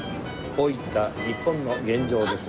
こういった日本の現状です。